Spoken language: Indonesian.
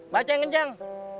baca yang kencang